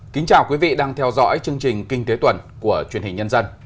kính chào quý vị đang theo dõi chương trình kinh tế tuần của truyền hình nhân dân